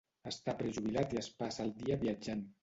Està prejubilat i es passa el dia viatjant.